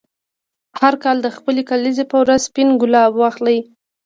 هر کال د خپلې کلیزې په ورځ سپین ګلاب واخلې.